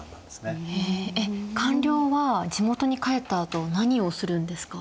えっ官僚は地元に帰ったあと何をするんですか？